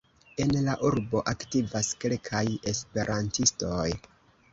En la urbo aktivas kelkaj esperantistoj.